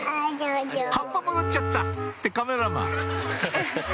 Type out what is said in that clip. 「葉っぱもらっちゃった」ってカメラマン